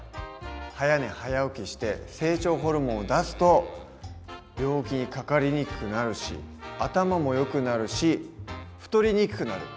早寝早起きして成長ホルモンを出すと病気にかかりにくくなるし頭もよくなるし太りにくくなる。